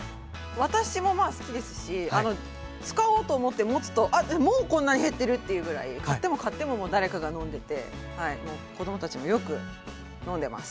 私もまあ好きですし使おうと思って持つともうこんなに減ってるっていうぐらい買っても買っても誰かが飲んでてもう子供たちもよく飲んでます。